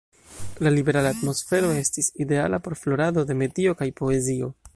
La liberala atmosfero estis ideala por florado de metio kaj poezio.